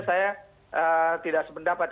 saya tidak sependapat